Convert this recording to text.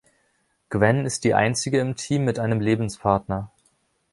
Gwen ist die Einzige im Team mit einem Lebenspartner.